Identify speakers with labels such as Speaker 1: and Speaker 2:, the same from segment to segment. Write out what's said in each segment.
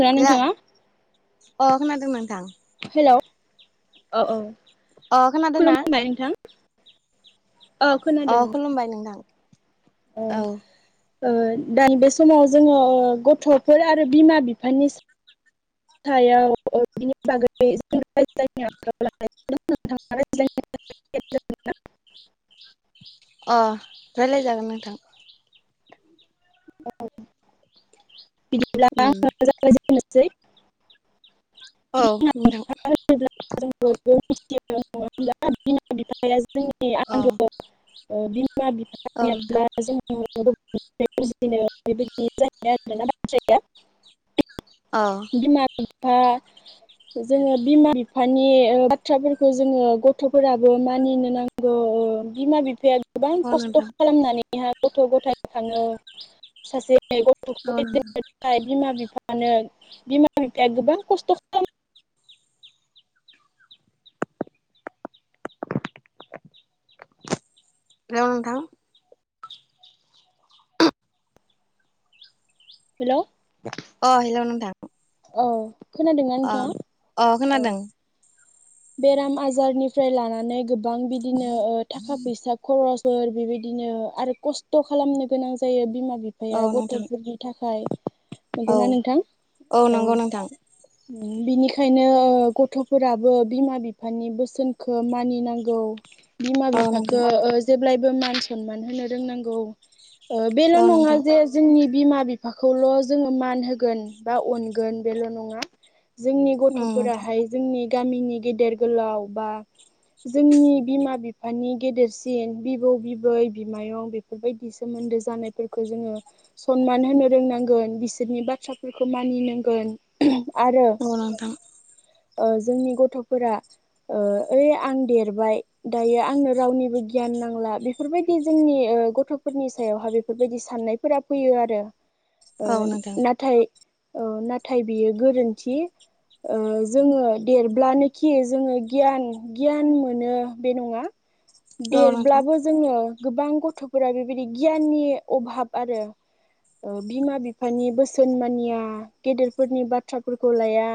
Speaker 1: खोना
Speaker 2: गैया
Speaker 1: नोंथाङा
Speaker 2: अ खोनादों नोंथां
Speaker 1: हेलौ औ औ
Speaker 2: अ खोनादो ना
Speaker 1: खुलुमबाय नोंथां औ
Speaker 2: अ
Speaker 1: खोनादों
Speaker 2: खुलुमबायाय नोंथां औ
Speaker 1: ओ दानि बे समाव जोंङो ओ गथ'फोर आरो बिमा बिफानि सायाव बिनिबागै जोंङो रायजलायनो आखायाव लानाय जादों नोंथां आ‌ रायजलायनो सम दङ' ना
Speaker 2: अ रायलाय जागोन नोंथां
Speaker 1: [unintelligible] बिदिब्ला
Speaker 2: उम
Speaker 1: आंनो जागायजेननो सै
Speaker 2: औ
Speaker 1: [unintelligible] [unintelligible]
Speaker 2: नोंथां
Speaker 1: जोंनि
Speaker 2: अ
Speaker 1: आंगो अ बि
Speaker 2: औ नोंथां
Speaker 1: [unintelligible] [unintelligible] [unintelligible]
Speaker 2: अ
Speaker 1: ओ जोङो बिमा बिफानि ओ बाथ्राफोरखौ जोङो गथ'फोराबो मानिनो नांगौ ओ बिमा बिफाया गोबां
Speaker 2: औ
Speaker 1: खस्त'
Speaker 2: नोंथां
Speaker 1: खालामनानैहा गथ' गथाय खाङो सासे
Speaker 2: औ नोंथां
Speaker 1: [unintelligible] बिमा बिफा [unintelligible] बिमा बिफाया गोबां खस्त' [unintelligible]
Speaker 2: [unintelligible] नोंथां
Speaker 1: हेलौ
Speaker 2: अ हेलौ नोंथां
Speaker 1: औ। खोनादोंना
Speaker 2: अ
Speaker 1: नोंथाङा
Speaker 2: अ
Speaker 1: औ
Speaker 2: खोनादों।
Speaker 1: बेराम आजारनिफ्राय लानानै गो बां बिदिनो ओ थाखा फैसा खरस फोर बेबायदिनो आरो खस्त' खेलामनो गोनां जायो बिमा
Speaker 2: औ
Speaker 1: बिफाया
Speaker 2: नोंथां
Speaker 1: गथ'फोरनि थाखाय
Speaker 2: औ
Speaker 1: नंगौना नोंथां
Speaker 2: औ नंगौ नोंथां।
Speaker 1: [unintelligible] बिनिखायनो ओ गथ'फोराबो बिमा बिफानि बोसोनखो मानिनांगौ। बिमा
Speaker 2: औ नोंथां
Speaker 1: बिफाखो ओ जे ब्लायबो मान सनमान होनो रोंनांगौ ओ बेल'
Speaker 2: औ
Speaker 1: नङा
Speaker 2: नोंथां
Speaker 1: जे जोंनि बिमा बिफाखौल' जोङो मान होगोन बा अनगोन बेल' नङा। जोंनि
Speaker 2: उम नोंथां
Speaker 1: गथ'फोराहाय जोंनि गामिनि गेदेर गोलाव बा जोंनि बिमा बिफानि गेदेरसिन बिबौ बिबै बिमायं बेफोरबायदि सोमोन्दो जानायफोरखौ जोङो सनमान होनो रोंनांगोन बिसोरनि बाथ्राफोरखो मानिनांगोन। आरो
Speaker 2: औ नोंथां
Speaker 1: ओ जोंनि गथ' फोरा ओ ओइ आं देरबाय दायो आंनो रावनिबो गियान नांला बेफोरबायदि जोंनि ओ गथ'फोरनि सायावहा बेफोरबायदि साननायफोरा फैयो आरो। ओ
Speaker 2: औ नोंथां
Speaker 1: नाथाय ओ नाथाय बियो गोरोन्थि ओ जोङो देरब्लानो खि जोङो गियान गियान मोनो बे नङा
Speaker 2: औ नोंथां
Speaker 1: देरब्लाबो जोङो गोबां गथ'फोरा बेबायदि गियाननि अभाब आरो ओ बिमा बिफानि बोसोन मानिया गेदेरफोरनि बाथ्राफोरखौ लाया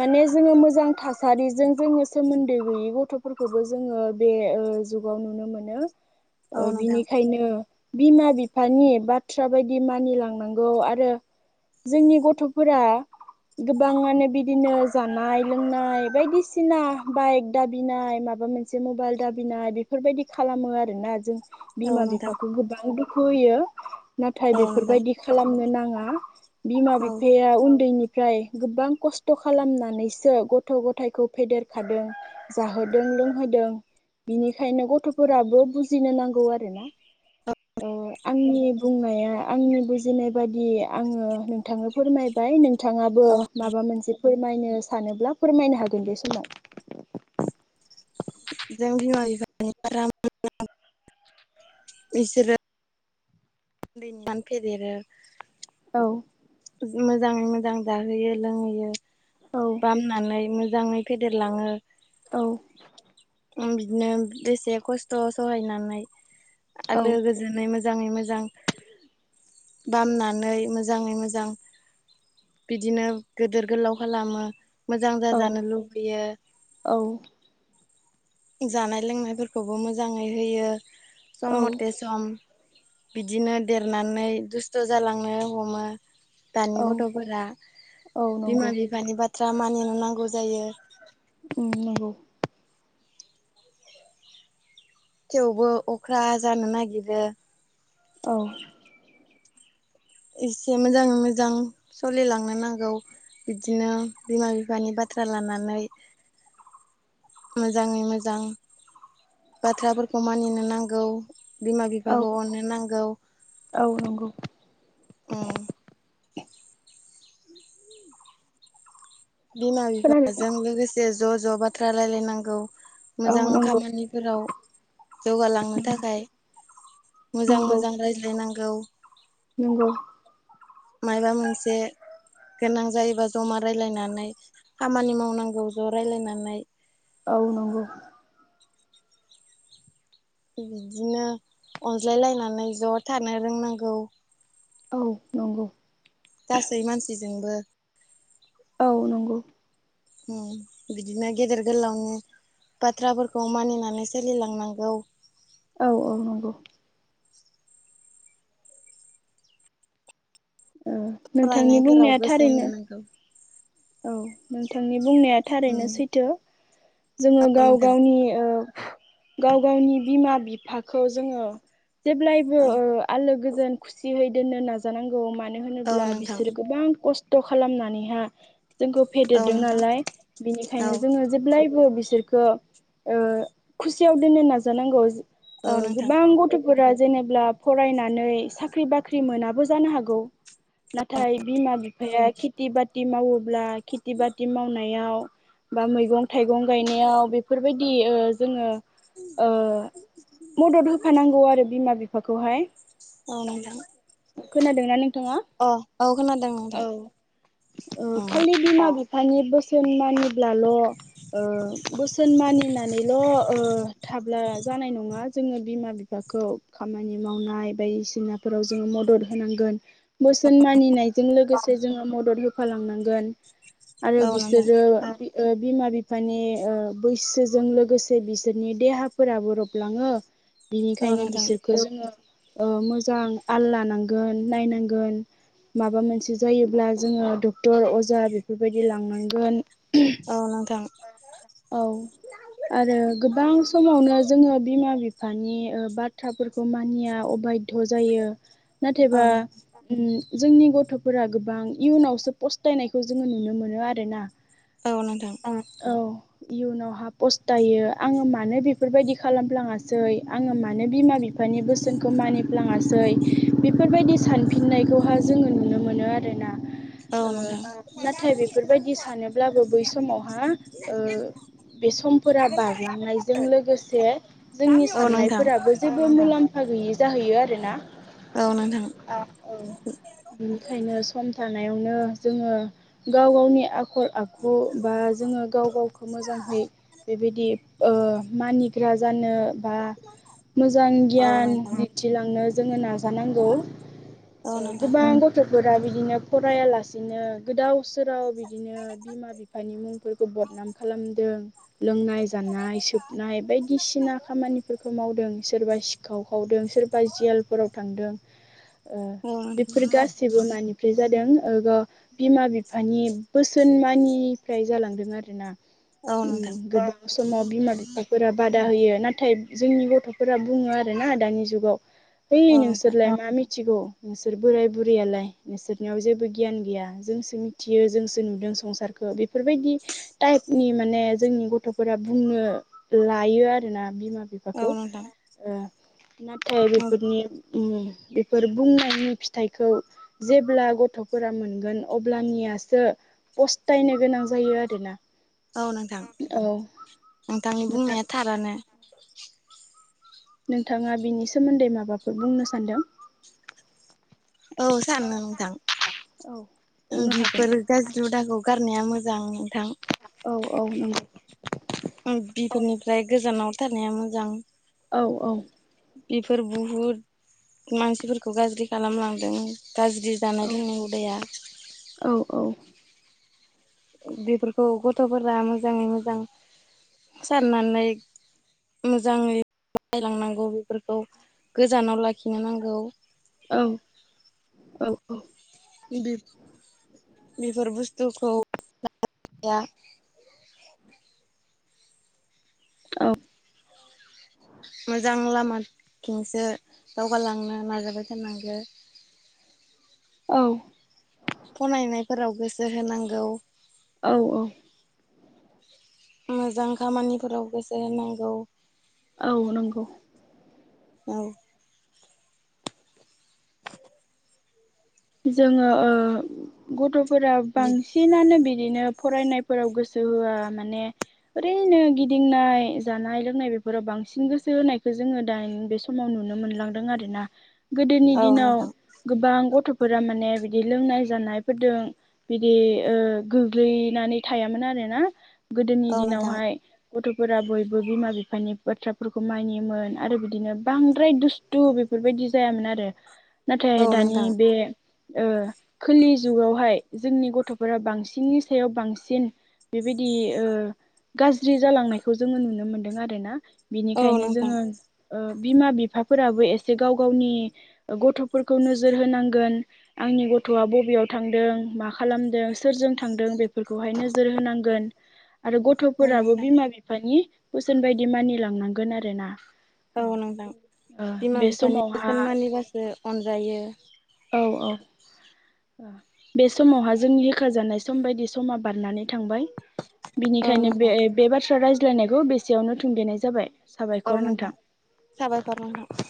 Speaker 1: माने जों मोजां था सारिजों जोङो सोमोन्दो गैयै गथ'फोरखौबो जोङो बे ओ जुगाव नुनो मोनो
Speaker 2: औ
Speaker 1: ओह
Speaker 2: नोंथां
Speaker 1: बिनिखायनो बिमा बिफानि बाथ्रा बायदि मानिलांनांगौ आरो जोंनि गथ'फोरा गोबाङानो बिदिनो जानाय लोंनाय बायदिसिना बाइक दाबिनाय माबा मोनसे मबाइल दाबिनाय बेफोरबायदि खालामो आरोना जों
Speaker 2: औ
Speaker 1: बिमा
Speaker 2: नोंथां
Speaker 1: बिफाखौ गोबां दुखु होयो नाथाय
Speaker 2: औ नोंथां
Speaker 1: बेफोरबायदि खालामनो नां ङा बिमा
Speaker 2: औ
Speaker 1: बिफाया उन्दैनि फ्राय गोबां खस्थ' खालामनानैसो गथ' ग थायखौ फेदेरखादों जाहोदों लोंहोदों बिनिखायनो गथ'फोराबो बुजिनो नांगौ आरोना ओ आंनि बुंनाया आंनि बुजिनाय बायदि आङो नोंथांनो फोरमायबाय नों थाङाबो
Speaker 2: औ
Speaker 1: माबा मोनसे फोरमायनो सानोब्ला फोरमायनो हा गोन बे समाव
Speaker 2: जों बिमा बिफा [inaudible] [inaudible] फेदेरो
Speaker 1: औ
Speaker 2: मोजाङै मोजां जाहोयो लोंहोयो
Speaker 1: औ
Speaker 2: बामनानै मो जाङै फेदेरलाङो।
Speaker 1: औ
Speaker 2: बिदिनो बेसे खस्थ' सहायनानै
Speaker 1: औ
Speaker 2: आलो गोजोनै मो जाङै मोजां बामनानै मोजाङै मोजां बिदिनो गिदिर गोलाव खालामो मोजां
Speaker 1: औ
Speaker 2: जाजानो लुबैयो
Speaker 1: औ
Speaker 2: जानाय लोंनायफोरखौबो मोजाङै होयो सम
Speaker 1: औ
Speaker 2: मथे सम बिदिनो देरनानै दुस्थ' जालांनो हमो। दानि
Speaker 1: औ
Speaker 2: गथ'फोरा
Speaker 1: औ नंगौ
Speaker 2: बिमा बिफानि बाथ्रा मानिनो नांगौ जायो।
Speaker 1: उम नंगौ।
Speaker 2: थेवबो अख्रा जानो नागिरो।
Speaker 1: औ।
Speaker 2: एसे मोजाङै मोजां सोलिलांनो नांगौ बिदिनो बिमा बिफानि बाथ्रा लानानै। मोजाङै मोजां बाथ्राफोरखौ मानिनो नांगौ। बिमा
Speaker 1: औ
Speaker 2: बिफाखौ अननो नांगौ
Speaker 1: औ नंगौ
Speaker 2: उम बिमा
Speaker 1: खोनादों
Speaker 2: बिफाजों लोगोसे ज' ज' बाथ्रा रायलायनांगौ।
Speaker 1: औ
Speaker 2: मोजां
Speaker 1: नंगौ
Speaker 2: खामानिफोराव जौगालांनो थाखाय मोजां
Speaker 1: नंगौ
Speaker 2: मोजां रायज्लायनांगौ। गौ।
Speaker 1: नंगौ।
Speaker 2: माबा मोनसे गोनां जायोबा जमा रायलायनानै खामानि मावनांगौ ज' रायलायनानै।
Speaker 1: औ नंगौ।
Speaker 2: बिदिनो अनज्लाय लायनानै ज' थानो रोंनांगौ।
Speaker 1: औ नंगौ।
Speaker 2: गासै मानसिजोंबो
Speaker 1: औ नंगौ।
Speaker 2: बिदिनो गेदेर गोलावनि बाथ्राफोरखौ मानिनानै सोलिलांनांगौ।
Speaker 1: औ औ नंगौ। ओ नोंथांनि
Speaker 2: फरायनायफोराव
Speaker 1: बुंनाया
Speaker 2: गोसो
Speaker 1: थारैनो।
Speaker 2: होनांगौ
Speaker 1: औ नोंथांनि बुंनाया थारैनो
Speaker 2: उम
Speaker 1: सैथो जोङो
Speaker 2: औ
Speaker 1: गाव
Speaker 2: नोंथां
Speaker 1: गावनि गाव गावनि बिमा बिफाखौ जोङो। जेब्लायबो
Speaker 2: औ
Speaker 1: आलो गोजो जों खुसियै दोननो नाजानांगौ माने मानो
Speaker 2: औ
Speaker 1: होनोब्ला
Speaker 2: नोंथां
Speaker 1: बिसोर गोबां खस्थ'। थ' खालामनानैहा। जोंखौ
Speaker 2: औ
Speaker 1: फेदेरदों
Speaker 2: नोंथां
Speaker 1: नालाय
Speaker 2: औ
Speaker 1: बिनिखायनो जोङो जेब्लायबो बिसि बिसोरखौ ओ खुसियाव दोननो नाजानांगौ। अ
Speaker 2: औ नोंथां
Speaker 1: गोबां गथ' फोर जेनेब्ला फरायनानै साख्रि बाख्रि मोनाबो जानो हागौ। नाथाय बिमा बिफाया खेथि बाथि मावोब्ला। [inaudible] खेथि बाथि मावनायाव। बा मैगं थाइगं गायनायाव बेफोरबायदि बि जोङो। मदद होफानांगौ आरो बिमा बिफा। बेखौहाय
Speaker 2: औ नोंदां
Speaker 1: नोंथाङा
Speaker 2: अ औ खोनादों
Speaker 1: औ
Speaker 2: नोंथां
Speaker 1: ओ
Speaker 2: ओम।
Speaker 1: खालि बिमा बिफानि बोसोन मानि। ब्लाल' बोसोन मानिनानैल' थाब। ब्ला जानाय नङा जोङो बिमा बिफाखौ खामानि मावनाय बायदिसिनाफोराव जोङो मदद होनांगोन। बोसोन मानिनायजों लोगोसे। जोङो मदद होफा लांनां गोन आरो
Speaker 2: औ नोंथां
Speaker 1: बिसोरो [inaudible] ओ बिमा बिफानि ओ बैसोजों लोगोसे बिसोरनि देहाफोराबो रबलाङो।
Speaker 2: औ
Speaker 1: बिनिखायनो
Speaker 2: नोंथां
Speaker 1: बिसोरखौ जोङो [inaudible] ओ मोजां आल लानांगोन नायनांगोन माबा मोनसे जायोब्ला जोङो द तर, अजा बेफोरबायदि लांनांगोन।
Speaker 2: औ नोंथां
Speaker 1: औ आरो मानि बाथ्राफोरखौ मानिया अबाय ध' जायो
Speaker 2: औ
Speaker 1: नाथायबा ओम जोंनि गथ'फोरा गोबां इयुनावसो फस्थायनायखौ जोङो नुनो मोनो आरोना
Speaker 2: औ नोंथां
Speaker 1: औ इयुनावहा फस्थायो आङो मानो बेफोरबायदि खालामफ्लाङासै आङो मानो बिमा बिफानि बोसोनखौ मानिफ्लाङासै बेफोरबायदि सानफिननायखौहाय जोङो नुनो मोनो आरोना।
Speaker 2: औ
Speaker 1: ओ
Speaker 2: नोंथां
Speaker 1: नाथाय बेफोरबायदि सानोब्लाबो बै समावहा बे समफोरा बारलांनायजों लोगोसे जोंनि
Speaker 2: औ नोंथां
Speaker 1: साननायफोराबो जेबो मुलाम्फा गैयि जाहो होयो आरो ना
Speaker 2: औ नोंथां औ नोंथां
Speaker 1: औ ओखायनो सम था नायावनो जोङो गाव गावनि आखु आखल आखु बा जोङो गाव गाव मोजांहै बेबायदि ओ मानिग्रा जानो बा मोजां
Speaker 2: औ
Speaker 1: गियान
Speaker 2: नोंथां
Speaker 1: दिन्थिलांनो जोङो‌ नाजा नांगौ
Speaker 2: औ नोंथां
Speaker 1: ओ
Speaker 2: औ नोंथां
Speaker 1: गोबां गथ' फोरा बिदिनो फरायालासेनो गोदाव सोराव बिदिनो बिमा बिफानि मुंफोरखौ बदनाम खालामदों लोंनाय जानाय सोबनाय बायदिसिना खामानिफोरखौ मावदों सोरबा सिखाव खावदों सोरबा जियालफोराव थांदों। औ बेफोर गासिबो मानिफ्राय जादों [inaudible] बिमा बिफ फानि बोसोन मानि फ्राय जालांदों आरो ना
Speaker 2: औ नोंथां
Speaker 1: उम गोबां समाव बिमा बिफाफोरा बादा दा होयो नाथाय जोंनि गथ'फोरा बुङो आरोना दानि जुगाव ओय
Speaker 2: औ
Speaker 1: नोसोरलाय मा मिथ मिथिगौ नोंसोर बोराय बुरैयालाय नोंसोरनियाव जेबो गियान गैया जोंसो मिथियो जोंसो नुदों संसारखौ बेफोरबायदि टाइपनि माने जोंनि गथ'फोरा बुंनो लायो आरोना बिमा बिफाखौ
Speaker 2: नोंथां
Speaker 1: ओ नाथाय बेफोरनि उम बेफोर बुंनायनि फिथाइखौ जेब्ला गथ'फोरा मोनगोन अब्लानियासो फस्थायनो गोनां जायो आरोना
Speaker 2: औ नोंथां
Speaker 1: औ
Speaker 2: नोंथांनि
Speaker 1: नोंथां
Speaker 2: बुंनाया थारानो [inaudible]
Speaker 1: नोंथाङा बिनि सोमोन्दै माबाफोर बुंनो सानदों?
Speaker 2: औ सानो
Speaker 1: औ
Speaker 2: नोंथां
Speaker 1: बुंनो हागोन दे
Speaker 2: बेफोरो गाज्रि हुदाखौ गारनाया मोजां नोंथां
Speaker 1: औ औ नोंगौ
Speaker 2: बेफोरनिफ्राय गोजानाव थानाया मोजां
Speaker 1: औ औ
Speaker 2: बेफोर बुहुद मानसिफोरखौ गाज्रि खालामलांदों। गाज्रि
Speaker 1: औ
Speaker 2: जानाय लोंनाय उदाया
Speaker 1: औ
Speaker 2: बेफोरखौ गथ'फोरा मोजाङै मोजां साननानै मोजाङै [unintelligible] बेफोरखौ गोजानाव लाखिनो नांगौ
Speaker 1: औ औ औ
Speaker 2: बिफ बिफोर बुस्थुखौ [unintelligible]
Speaker 1: औ
Speaker 2: मोजां लामाथिंसो दावगालांनो नाजाबाय थानांगौ
Speaker 1: औ
Speaker 2: फनायनायफोराव गोसो होनांगौ
Speaker 1: औ औ
Speaker 2: मोजां खामानिफोराव गोसो होनांगौ
Speaker 1: औ नंगौ
Speaker 2: औ
Speaker 1: जोङो ओ गथ' फोरा बांसिनानो बि बिदिनो फरायनायफोराव गोसो होआ माने ओरैनो गिदिंनाय जानाय लोंनाय बेफोराव बांसिन गोसो होनायखौ जोङो दानि बे समाव नुनो मोनलांदों आरोना गोदोनि
Speaker 2: औ
Speaker 1: दिनाव
Speaker 2: नोंथां
Speaker 1: गोबां गथ' फोरा माने बिदि लोंनाय जानायफोरदों बिदिओ गोग्लैनानै थायामोन आरोना गोदोनि
Speaker 2: औ नोंथां
Speaker 1: दिनावहाय गथफोरा बयबो बिमा बिफानि बाथ्राफोरखौ मानियोमोन आरो बिदिनो बांद्राय दुस्थु बेफोरबायदि जायामोन आरो
Speaker 2: औ
Speaker 1: नाथाय दानि
Speaker 2: नोंथां
Speaker 1: बे ओ खोलि जुगावहाय जोंनि गथफोरा बांसिननि सायाव बांसिन बेबायदि ओ गाज्रि जालांनायखौ जोङो नुनो मोनदों आरो ना
Speaker 2: औ
Speaker 1: बिनिखायनो
Speaker 2: नोंथां
Speaker 1: जोङो बिमा बिफाफोराबो एसे गाव गावनि गथफोरखौ नोजोर होनांगोन आंनि गथआ बबेयाव थांदों मा खालामदों सोरजों थांदों बे फोरखौहाय नोजोर होनांगोन आरो
Speaker 2: औ
Speaker 1: गथफोराबो
Speaker 2: नोंथां
Speaker 1: बिमा बिफानि बोसोन बायदि मानिलांनांगोन आरो ना।
Speaker 2: औ नोंथां बिमा
Speaker 1: बे
Speaker 2: बिफानि
Speaker 1: समावहा
Speaker 2: बोसोन मानिबासो अनजायो।
Speaker 1: औ औ। ओ बे समावहा जों होेखा जानाय सम बायदि समा बारनानै थांबाय।
Speaker 2: औ
Speaker 1: बिनिखायनो बे
Speaker 2: नोंथां
Speaker 1: बे बाथ्रा राय ज्लायनायखौ बेसेयावनो थुंगेनाय जाबाय।
Speaker 2: औ नोंथां साबायखर नोंथां।